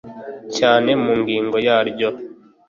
Cyane mu ngingo yaryo